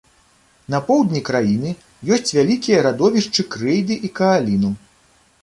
На поўдні краіны ёсць вялікія радовішчы крэйды і кааліну.